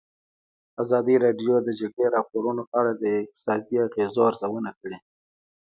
ازادي راډیو د د جګړې راپورونه په اړه د اقتصادي اغېزو ارزونه کړې.